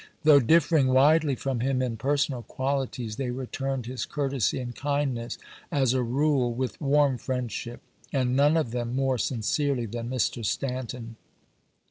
Though differing widely from him in personal qualities, they returned his courtesy and kindness as a rule with warm 140 ABRAHAM LINCOLN Chap. VIII. friendship, aud uoue of them more sincerely than Mr. Stanton.